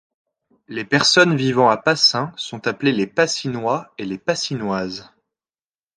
Les personnes vivant à Passins sont appelés les Passinois et les Passinoises.